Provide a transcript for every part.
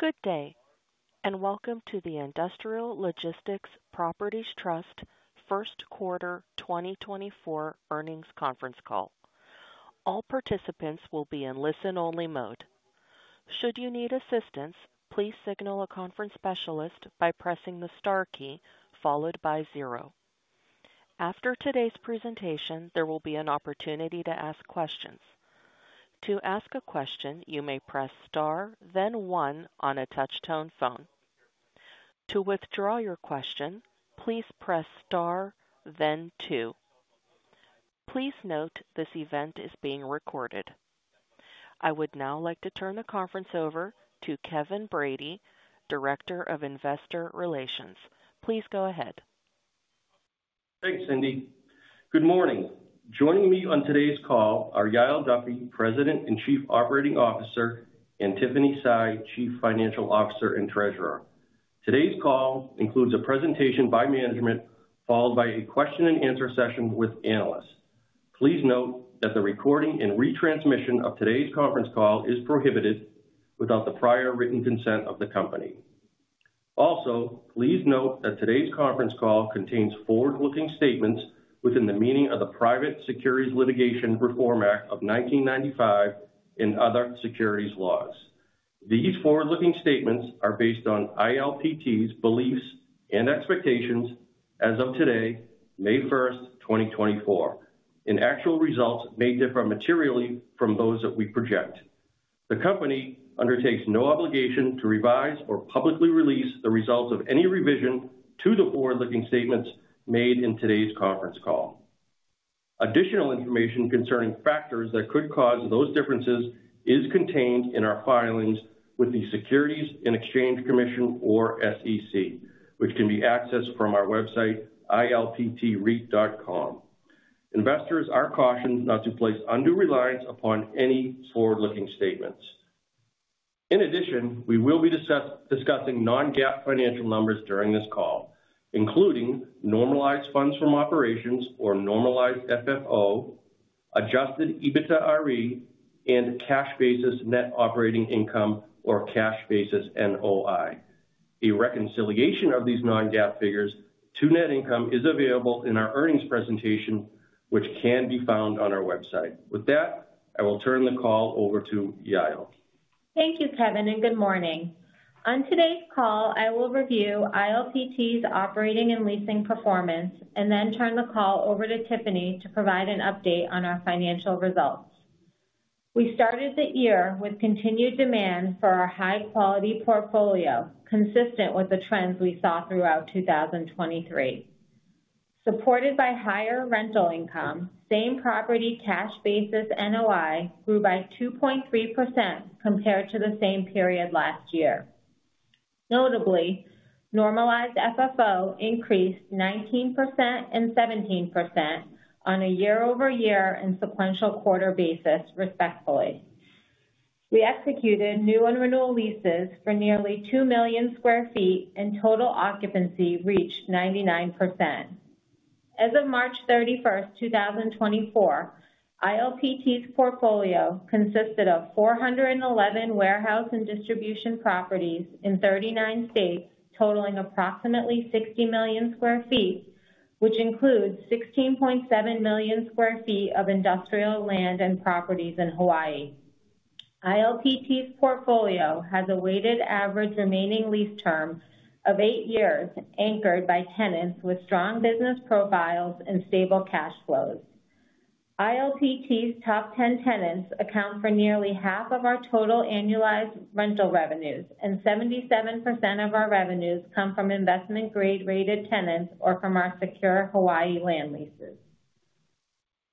Good day and welcome to the Industrial Logistics Properties Trust first quarter 2024 earnings conference call. All participants will be in listen-only mode. Should you need assistance, please signal a conference specialist by pressing the star key followed by zero. After today's presentation, there will be an opportunity to ask questions. To ask a question, you may press star then one on a touch-tone phone. To withdraw your question, please press star then two. Please note this event is being recorded. I would now like to turn the conference over to Kevin Brady, Director of Investor Relations. Please go ahead. Thanks, Cindy. Good morning. Joining me on today's call are Yael Duffy, President and Chief Operating Officer, and Tiffany Sy, Chief Financial Officer and Treasurer. Today's call includes a presentation by management followed by a question-and-answer session with analysts. Please note that the recording and retransmission of today's conference call is prohibited without the prior written consent of the company. Also, please note that today's conference call contains forward-looking statements within the meaning of the Private Securities Litigation Reform Act of 1995 and other securities laws. These forward-looking statements are based on ILPT's beliefs and expectations as of today, May 1st, 2024, and actual results may differ materially from those that we project. The company undertakes no obligation to revise or publicly release the results of any revision to the forward-looking statements made in today's conference call. Additional information concerning factors that could cause those differences is contained in our filings with the Securities and Exchange Commission, or SEC, which can be accessed from our website, ilptreit.com. Investors are cautioned not to place undue reliance upon any forward-looking statements. In addition, we will be discussing Non-GAAP financial numbers during this call, including normalized funds from operations or normalized FFO, Adjusted EBITDAre, and cash basis net operating income or cash basis NOI. A reconciliation of these Non-GAAP figures to net income is available in our earnings presentation, which can be found on our website. With that, I will turn the call over to Yael. Thank you, Kevin, and good morning. On today's call, I will review ILPT's operating and leasing performance and then turn the call over to Tiffany to provide an update on our financial results. We started the year with continued demand for our high-quality portfolio, consistent with the trends we saw throughout 2023. Supported by higher rental income, same property cash basis NOI grew by 2.3% compared to the same period last year. Notably, Normalized FFO increased 19% and 17% on a year-over-year and sequential quarter basis respectively. We executed new and renewal leases for nearly 2 million sq ft and total occupancy reached 99%. As of March 31st, 2024, ILPT's portfolio consisted of 411 warehouse and distribution properties in 39 states, totaling approximately 60 million sq ft, which includes 16.7 million sq ft of industrial land and properties in Hawaii. ILPT's portfolio has a weighted average remaining lease term of eight years anchored by tenants with strong business profiles and stable cash flows. ILPT's top 10 tenants account for nearly half of our total annualized rental revenues, and 77% of our revenues come from investment-grade rated tenants or from our secure Hawaii land leases.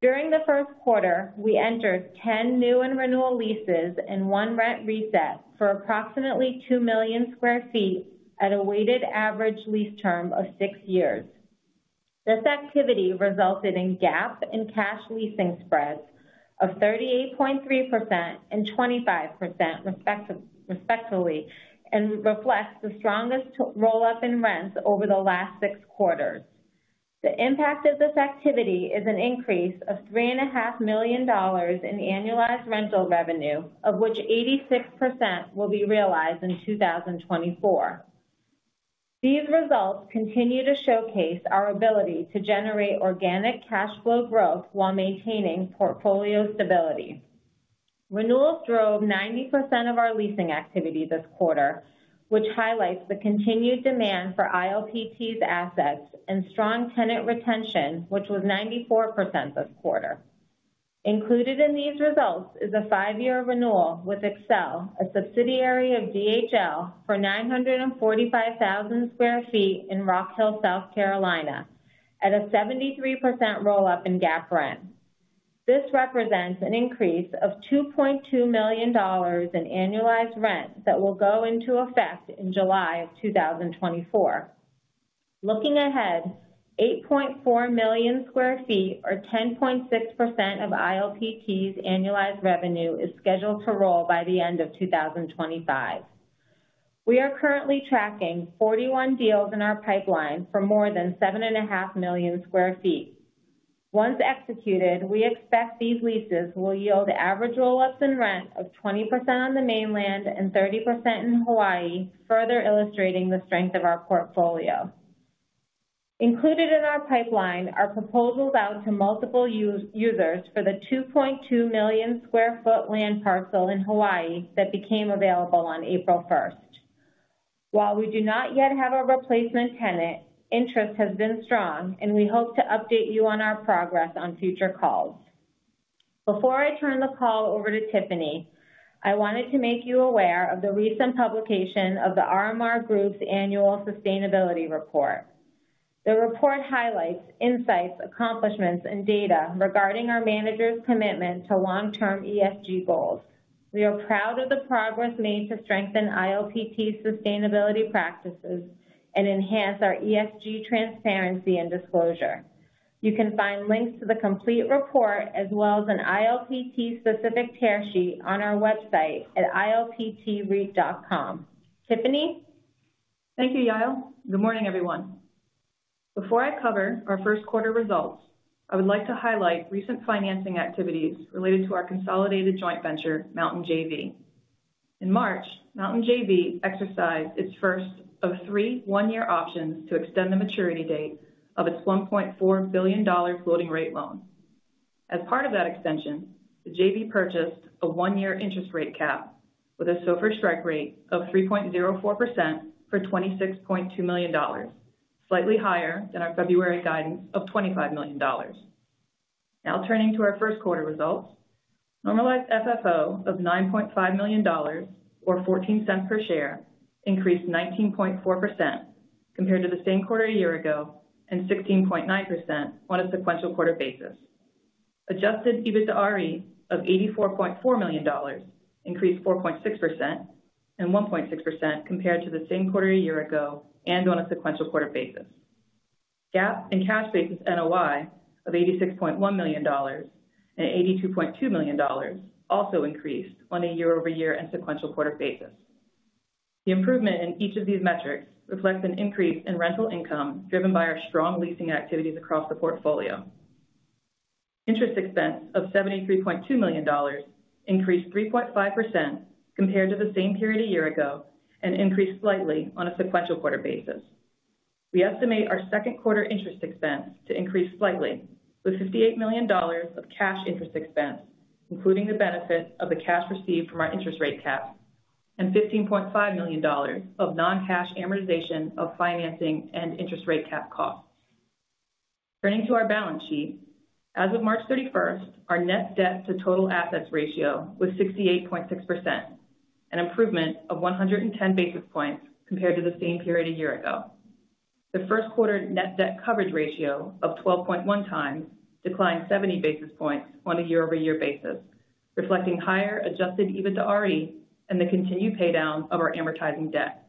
During the first quarter, we entered 10 new and renewal leases and 1 rent reset for approximately 2 million sq ft at a weighted average lease term of six years. This activity resulted in GAAP and cash leasing spreads of 38.3% and 25%, respectively, and reflects the strongest roll-up in rents over the last six quarters. The impact of this activity is an increase of $3.5 million in annualized rental revenue, of which 86% will be realized in 2024. These results continue to showcase our ability to generate organic cash flow growth while maintaining portfolio stability. Renewals drove 90% of our leasing activity this quarter, which highlights the continued demand for ILPT's assets and strong tenant retention, which was 94% this quarter. Included in these results is a five-year renewal with Exel, a subsidiary of DHL, for 945,000 sq ft in Rock Hill, South Carolina, at a 73% roll-up in GAAP rent. This represents an increase of $2.2 million in annualized rent that will go into effect in July of 2024. Looking ahead, 8.4 million sq ft, or 10.6% of ILPT's annualized revenue, is scheduled to roll by the end of 2025. We are currently tracking 41 deals in our pipeline for more than 7.5 million sq ft. Once executed, we expect these leases will yield average roll-ups in rent of 20% on the mainland and 30% in Hawaii, further illustrating the strength of our portfolio. Included in our pipeline are proposals out to multiple users for the 2.2 million sq ft land parcel in Hawaii that became available on April 1st. While we do not yet have a replacement tenant, interest has been strong, and we hope to update you on our progress on future calls. Before I turn the call over to Tiffany, I wanted to make you aware of the recent publication of the RMR Group's annual sustainability report. The report highlights insights, accomplishments, and data regarding our managers' commitment to long-term ESG goals. We are proud of the progress made to strengthen ILPT's sustainability practices and enhance our ESG transparency and disclosure. You can find links to the complete report as well as an ILPT-specific tear sheet on our website at ilptreit.com. Tiffany? Thank you, Yael. Good morning, everyone. Before I cover our first quarter results, I would like to highlight recent financing activities related to our consolidated joint venture, Mountain JV. In March, Mountain JV exercised its first of three one-year options to extend the maturity date of its $1.4 billion floating rate loan. As part of that extension, the JV purchased a one-year interest rate cap with a SOFR strike rate of 3.04% for $26.2 million, slightly higher than our February guidance of $25 million. Now turning to our first quarter results, normalized FFO of $9.5 million, or $0.14 per share, increased 19.4% compared to the same quarter a year ago and 16.9% on a sequential quarter basis. Adjusted EBITDAre of $84.4 million increased 4.6% and 1.6% compared to the same quarter a year ago and on a sequential quarter basis. GAAP and cash basis NOI of $86.1 million and $82.2 million also increased on a year-over-year and sequential quarter basis. The improvement in each of these metrics reflects an increase in rental income driven by our strong leasing activities across the portfolio. Interest expense of $73.2 million increased 3.5% compared to the same period a year ago and increased slightly on a sequential quarter basis. We estimate our second quarter interest expense to increase slightly with $58 million of cash interest expense, including the benefit of the cash received from our interest rate caps, and $15.5 million of non-cash amortization of financing and Interest Rate Cap costs. Turning to our balance sheet, as of March 31st, our net debt-to-total assets ratio was 68.6%, an improvement of 110 basis points compared to the same period a year ago. The first quarter net debt coverage ratio of 12.1x declined 70 basis points on a year-over-year basis, reflecting higher adjusted EBITDAre and the continued paydown of our amortizing debt.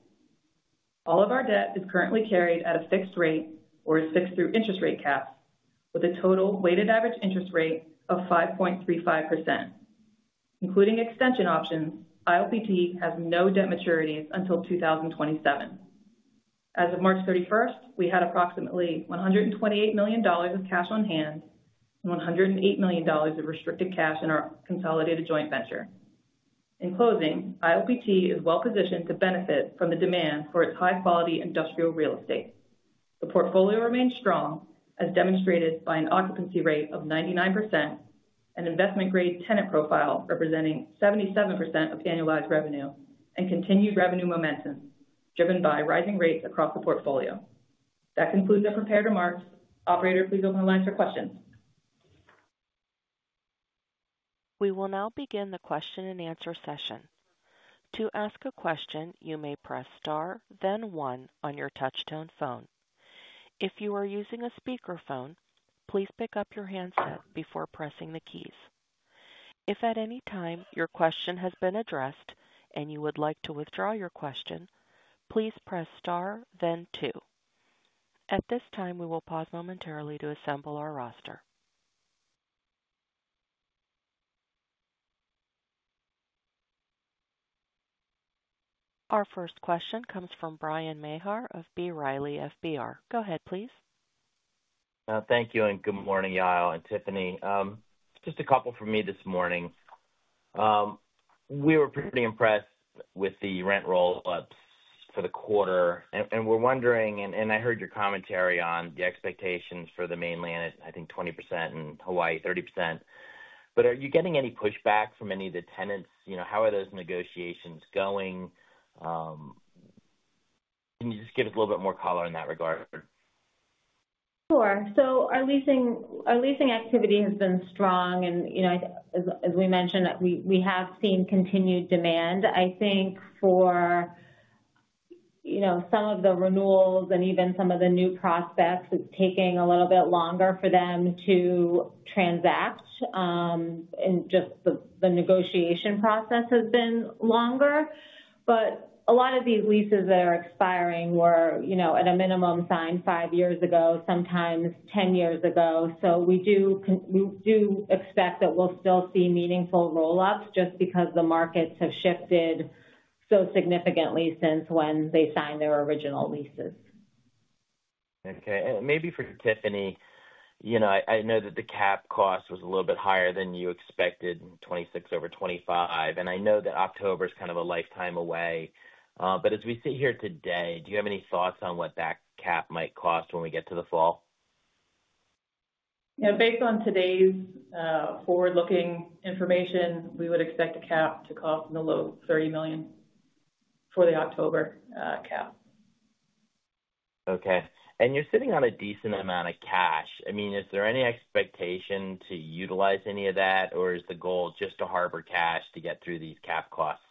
All of our debt is currently carried at a fixed rate or is fixed through interest rate caps, with a total weighted average interest rate of 5.35%. Including extension options, ILPT has no debt maturities until 2027. As of March 31st, we had approximately $128 million of cash on hand and $108 million of restricted cash in our consolidated joint venture. In closing, ILPT is well-positioned to benefit from the demand for its high-quality industrial real estate. The portfolio remains strong, as demonstrated by an occupancy rate of 99% and investment-grade tenant profile representing 77% of annualized revenue and continued revenue momentum driven by rising rates across the portfolio. That concludes our prepared remarks. Operator, please open the lines for questions. We will now begin the question-and-answer session. To ask a question, you may press star then one on your touch-tone phone. If you are using a speakerphone, please pick up your handset before pressing the keys. If at any time your question has been addressed and you would like to withdraw your question, please press star then two. At this time, we will pause momentarily to assemble our roster. Our first question comes from Bryan Maher of B. Riley Securities. Go ahead, please. Thank you, and good morning, Yael and Tiffany. Just a couple from me this morning. We were pretty impressed with the rent roll-ups for the quarter, and we're wondering and I heard your commentary on the expectations for the mainland, I think 20% and Hawaii 30%. But are you getting any pushback from any of the tenants? How are those negotiations going? Can you just give us a little bit more color in that regard? Sure. So our leasing activity has been strong, and as we mentioned, we have seen continued demand. I think for some of the renewals and even some of the new prospects, it's taking a little bit longer for them to transact, and just the negotiation process has been longer. But a lot of these leases that are expiring were at a minimum signed five years ago, sometimes 10 years ago. So we do expect that we'll still see meaningful roll-ups just because the markets have shifted so significantly since when they signed their original leases. Okay. And maybe for Tiffany, I know that the cap cost was a little bit higher than you expected in 2026 over 2025, and I know that October is kind of a lifetime away. But as we sit here today, do you have any thoughts on what that cap might cost when we get to the fall? Based on today's forward-looking information, we would expect a cap to cost in the low $30 million for the October cap. Okay. You're sitting on a decent amount of cash. I mean, is there any expectation to utilize any of that, or is the goal just to hoard cash to get through these cap costs?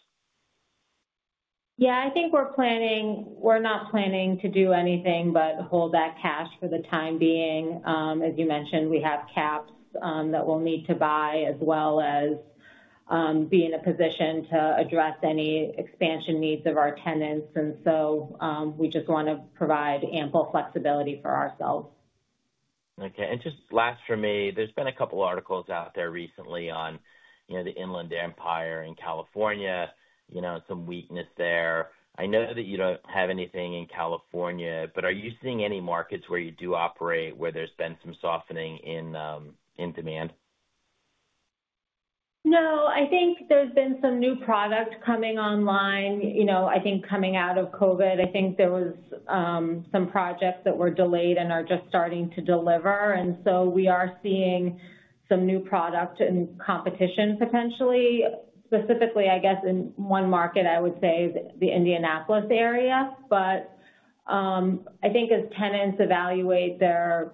Yeah, I think we're not planning to do anything but hold that cash for the time being. As you mentioned, we have caps that we'll need to buy, as well as be in a position to address any expansion needs of our tenants. We just want to provide ample flexibility for ourselves. Okay. And just last for me, there's been a couple of articles out there recently on the Inland Empire in California, some weakness there. I know that you don't have anything in California, but are you seeing any markets where you do operate where there's been some softening in demand? No, I think there's been some new product coming online, I think coming out of COVID. I think there was some projects that were delayed and are just starting to deliver. And so we are seeing some new product and competition potentially. Specifically, I guess in one market, I would say the Indianapolis area. But I think as tenants evaluate the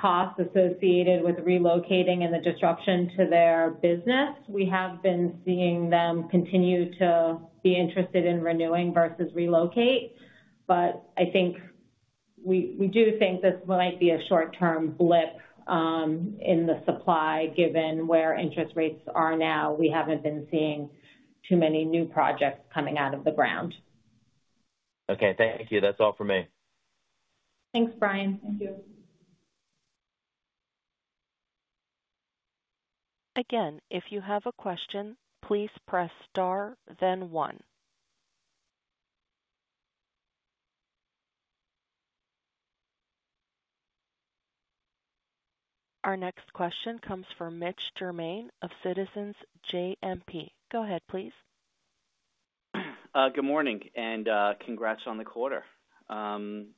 costs associated with relocating and the disruption to their business, we have been seeing them continue to be interested in renewing versus relocate. But I think we do think this might be a short-term blip in the supply. Given where interest rates are now, we haven't been seeing too many new projects coming out of the ground. Okay. Thank you. That's all for me. Thanks, Brian. Thank you. Again, if you have a question, please press star then one. Our next question comes from Mitch Germain of Citizens JMP. Go ahead, please. Good morning, and congrats on the quarter. I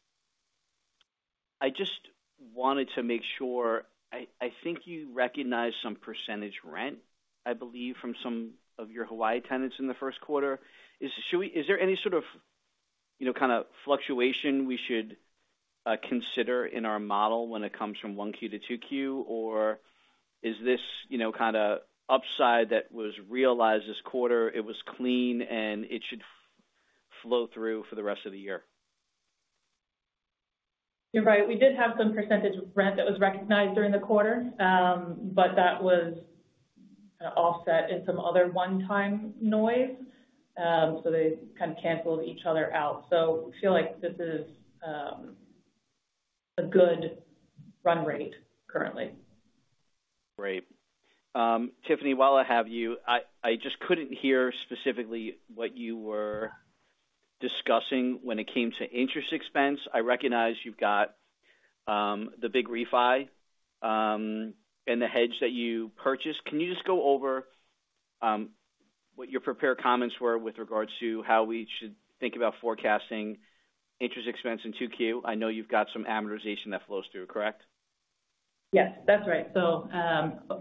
just wanted to make sure I think you recognize some percentage rent, I believe, from some of your Hawaii tenants in the first quarter. Is there any sort of kind of fluctuation we should consider in our model when it comes from one-Q-two-Q, or is this kind of upside that was realized this quarter? It was clean, and it should flow through for the rest of the year. You're right. We did have some percentage of rent that was recognized during the quarter, but that was kind of offset in some other one-time noise. So they kind of canceled each other out. So we feel like this is a good run rate currently. Great. Tiffany, while I have you, I just couldn't hear specifically what you were discussing when it came to interest expense. I recognize you've got the big refi and the hedge that you purchased. Can you just go over what your prepared comments were with regards to how we should think about forecasting interest expense in 2Q? I know you've got some amortization that flows through, correct? Yes, that's right.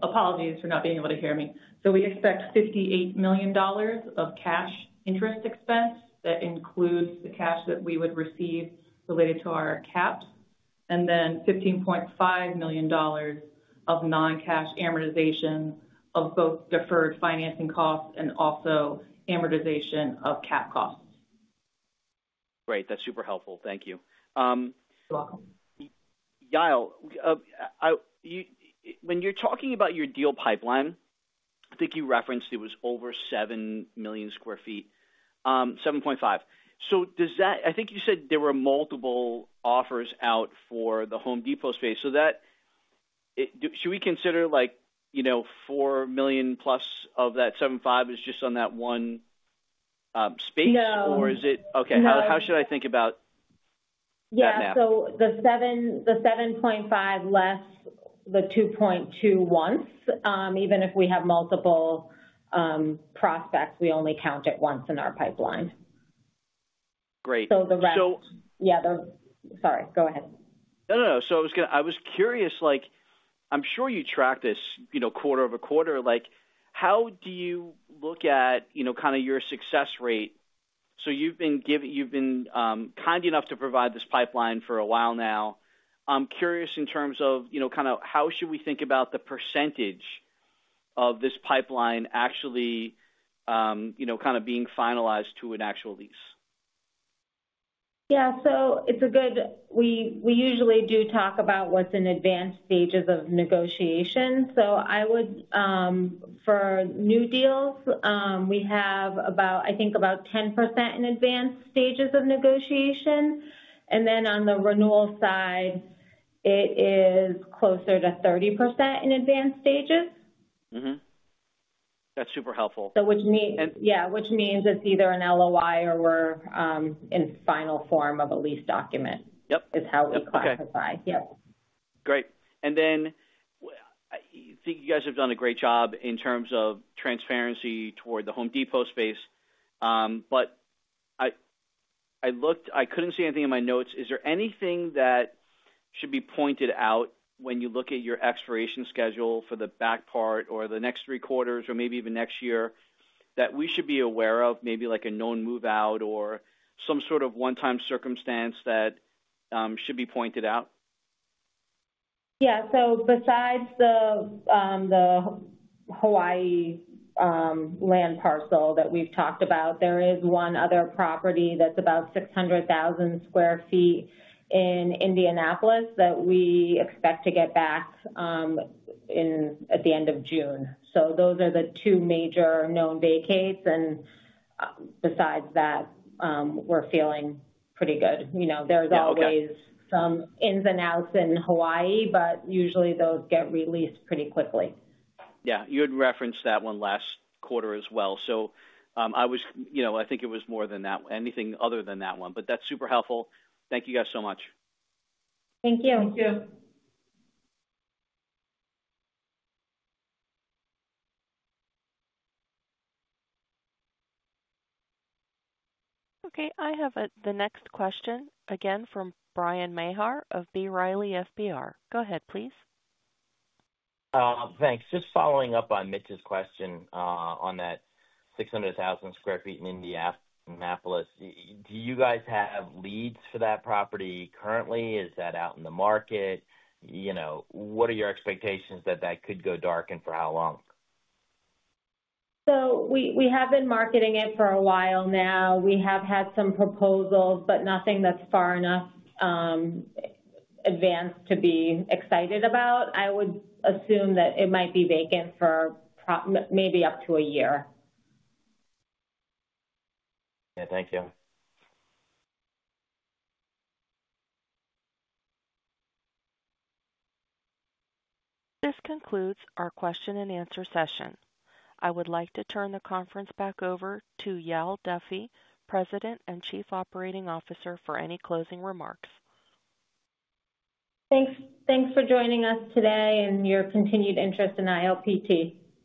Apologies for not being able to hear me. We expect $58 million of cash interest expense that includes the cash that we would receive related to our caps, and then $15.5 million of non-cash amortization of both deferred financing costs and also amortization of cap costs. Great. That's super helpful. Thank you. You're welcome. Yael, when you're talking about your deal pipeline, I think you referenced it was over 7 million sq ft, 7.5 million sq ft. So I think you said there were multiple offers out for the Home Depot space. So should we consider 4 million sq ft plus of that 7.5 million sq ft is just on that one space, or is it? No. Okay. How should I think about that map? Yeah. So the 7.5 million sq ft less the 2.2 million sq ft once. Even if we have multiple prospects, we only count it once in our pipeline. So the rest. Great. So. Yeah. Sorry. Go ahead. No, no, no. So I was curious. I'm sure you track this quarter-over-quarter. How do you look at kind of your success rate? So you've been kind enough to provide this pipeline for a while now. I'm curious in terms of kind of how should we think about the percentage of this pipeline actually kind of being finalized to an actual lease? Yeah. So it's good we usually do talk about what's in advanced stages of negotiation. So for new deals, we have, I think, about 10% in advanced stages of negotiation. And then on the renewal side, it is closer to 30% in advanced stages. That's super helpful. Yeah, which means it's either an LOI or we're in final form of a lease document is how we classify. Yep. Great. Then I think you guys have done a great job in terms of transparency toward the Home Depot space. I couldn't see anything in my notes. Is there anything that should be pointed out when you look at your expiration schedule for the back part or the next three quarters or maybe even next year that we should be aware of, maybe a known move-out or some sort of one-time circumstance that should be pointed out? Yeah. So besides the Hawaii land parcel that we've talked about, there is one other property that's about 600,000 sq ft in Indianapolis that we expect to get back at the end of June. So those are the two major known vacates. And besides that, we're feeling pretty good. There's always some ins and outs in Hawaii, but usually those get released pretty quickly. Yeah. You had referenced that one last quarter as well. So I think it was more than that, anything other than that one. But that's super helpful. Thank you guys so much. Thank you. Thank you. Okay. I have the next question again from Bryan Maher of B. Riley Securities. Go ahead, please. Thanks. Just following up on Mitch's question on that 600,000 sq ft in Indianapolis, do you guys have leads for that property currently? Is that out in the market? What are your expectations that that could go dark and for how long? So we have been marketing it for a while now. We have had some proposals, but nothing that's far enough advanced to be excited about. I would assume that it might be vacant for maybe up to a year. Yeah. Thank you. This concludes our question-and-answer session. I would like to turn the conference back over to Yael Duffy, President and Chief Operating Officer, for any closing remarks. Thanks for joining us today and your continued interest in ILPT.